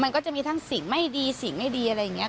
มันก็จะมีทั้งสิ่งไม่ดีสิ่งไม่ดีอะไรอย่างนี้